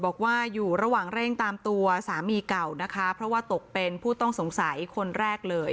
บอกว่าอยู่ระหว่างเร่งตามตัวสามีเก่านะคะเพราะว่าตกเป็นผู้ต้องสงสัยคนแรกเลย